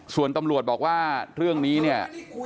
ส่วนตำรวจบอกว่าเรื่องนี้เนี่ย